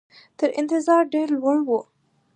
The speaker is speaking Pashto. تر انتظار ډېر لوړ وو.